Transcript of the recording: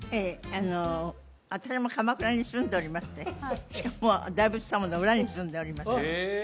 あの私も鎌倉に住んでおりましてしかも大仏様の裏に住んでおりました